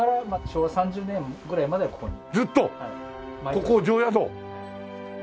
ここ定宿？